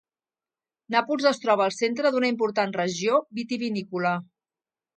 Nàpols es troba al centre d'una important regió vitivinícola.